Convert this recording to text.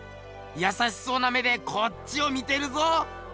優しそうな目でこっちを見てるぞ。